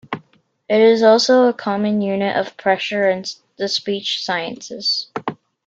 It is also a common unit of pressure in the speech sciences.